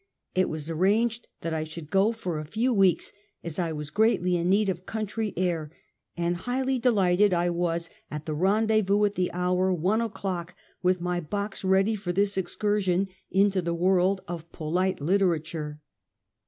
It was arranged that I should go for a few weeks, as I was greatly in need of country air; and, highly delighted, I was at the rendezvous at the hour, one o'clock, with my box, ready for this excursion into the world of polite litera ture.